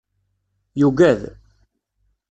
Yugad.